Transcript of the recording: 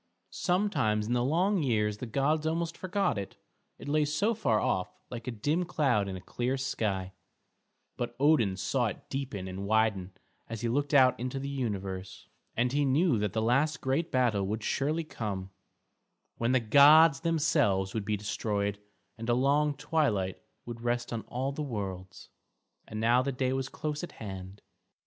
Sometimes in the long years the gods almost forgot it, it lay so far off, like a dim cloud in a clear sky; but Odin saw it deepen and widen as he looked out into the universe, and he knew that the last great battle would surely come, when the gods themselves would be destroyed and a long twilight would rest on all the worlds; and now the day was close at hand.